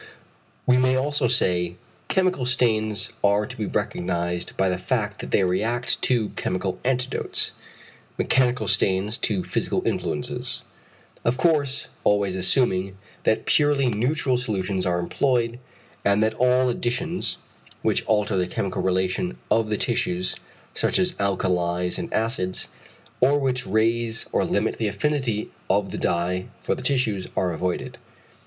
We may also say: =chemical stains are to be recognised by the fact that they react to chemical antidotes; mechanical stains to physical influences=; of course always assuming, that purely neutral solutions are employed, and that all additions, which alter the chemical relation of the tissues such as alkalis and acids, or which raise or limit the affinity of the dye for the tissues, are avoided.